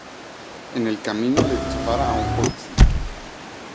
En el camino le dispara a un policía.